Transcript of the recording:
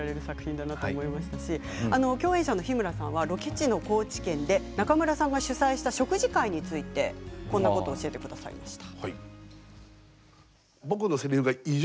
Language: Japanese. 共演者の日村さんはロケ地の高知県で中村さんが主催した食事会について教えてくださいました。